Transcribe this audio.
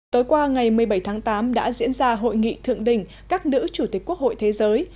tối qua ngày một mươi bảy tháng tám đã diễn ra hội nghị thượng đỉnh các nữ chủ tịch quốc hội thế giới